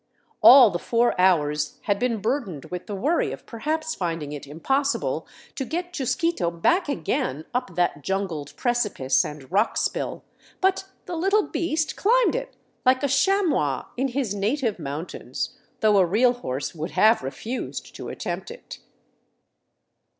All the four hours had been burdened with the worry of perhaps finding it impos sible to get Chusquito back again up that jungled precipice and rock spill ; but the little beast climbed it like a chamois in his native moun tains, though a real horse would have refused to attempt it.